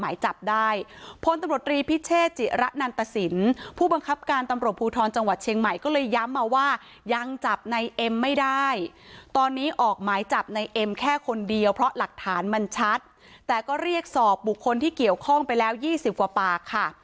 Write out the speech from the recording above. ยังจับในเอ็มไม่ได้ตอนนี้ออกหมายจับในเอ็มแค่คนเดียวเพราะหลักฐานมันชัดแต่ก็เรียกสอบบุคคลที่เกี่ยวข้องไปแล้วยี่สิบกว่าปากค่ะ